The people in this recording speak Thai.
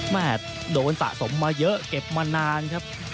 โดนสะสมมาเยอะเก็บมานานครับ